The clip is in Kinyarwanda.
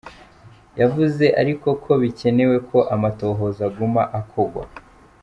Yavuze ariko ko bikenewe ko amatohoza aguma akogwa.